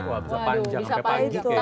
wah bisa panjang sampai pagi kayaknya